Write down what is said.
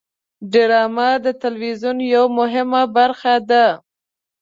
ډرامه د تلویزیون یوه مهمه برخه ده